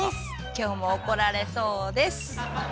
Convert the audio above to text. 今日も怒られそうです！